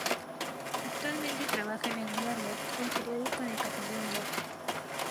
Actualmente trabaja en el diario El Periódico de Catalunya.